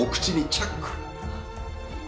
チャック。